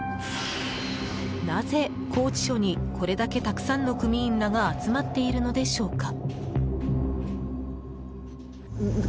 なぜ、拘置所にこれだけたくさんの組員らが集まっているのでしょうか。